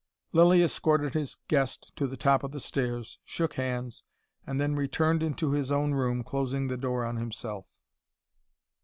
Lilly escorted his guest to the top of the stairs, shook hands, and then returned into his own room, closing the door on himself.